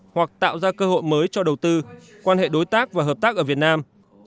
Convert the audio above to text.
hoặc tạo ra cơ hội mới cho đầu tư quan hệ đối tác và hợp tác ở việt nam